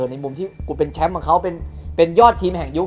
ในมุมที่กูเป็นแชมป์ของเขาเป็นยอดทีมแห่งยุค